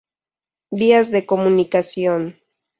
Vías de Comunicación.